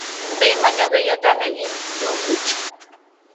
Behin baino gehiagotan egin du huts.